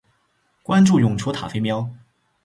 关注永雏塔菲喵